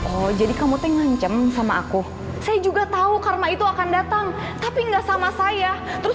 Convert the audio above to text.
oh jadi kamu tuh ngancem sama aku saya juga tahu karena itu akan datang tapi enggak sama saya terus